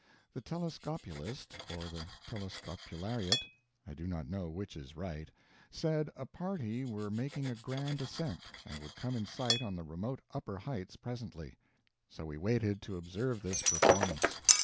The telescopulist or the telescopulariat I do not know which is right said a party were making a grand ascent, and would come in sight on the remote upper heights, presently; so we waited to observe this performance.